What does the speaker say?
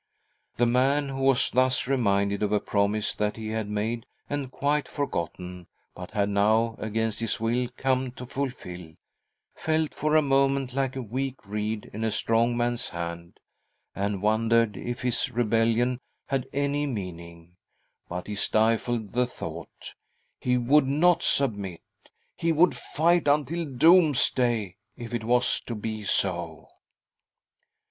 ",* The man who was thus reminded of a promise that he had made and quite forgotten, but had now, against his will, come to fulfil, felt for a moment like a weak reed in a strong man's hand, and wondered if his rebellion had any meaning. But he stifled the thought— he would not submit, he would fight until doomsday, if it was to be so.